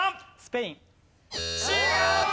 違う！